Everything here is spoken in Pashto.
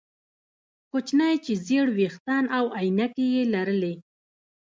کوچنی چې ژیړ ویښتان او عینکې یې لرلې